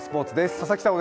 佐々木さん